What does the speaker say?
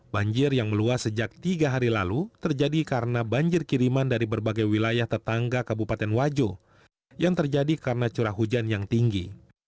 banjir yang meluas sejak tiga hari lalu terjadi karena banjir kiriman dari berbagai wilayah tetangga kabupaten wajo yang terjadi karena curah hujan yang tinggi